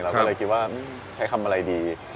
เราก็เลยคิดว่าใช้คำอะไรดี